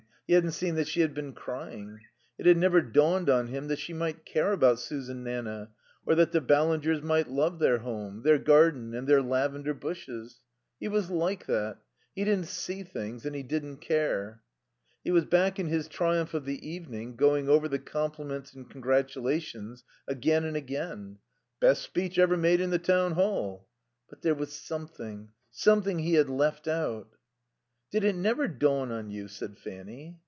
He hadn't seen that she had been crying. It had never dawned on him that she might care about Susan Nanna, or that the Ballingers might love their home, their garden and their lavender bushes. He was like that. He didn't see things, and he didn't care. He was back in his triumph of the evening, going over the compliments and congratulations, again and again "Best speech ever made in the Town Hall " But there was something something he had left out. "Did it never dawn on you " said Fanny.